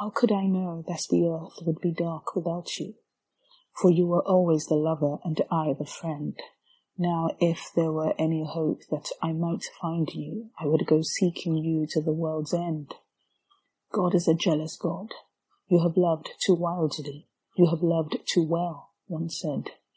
How could I know that the earth would be dark without you? For you were always the lover and I the friend. Now if there were any hope that I might find you I would go seeking you to the world's end. *'God is a jealous God. You have loved too wildly, You have loved too well!" one said.